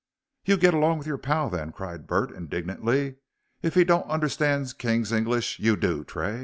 "You git along with your pal then," cried Bart, indignantly. "If he don't understand King's English, you do, Tray."